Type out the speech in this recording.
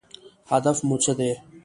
هدف مو څه دی؟